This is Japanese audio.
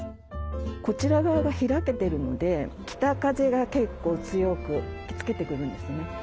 こちら側が開けてるので北風が結構強く吹きつけてくるんですね。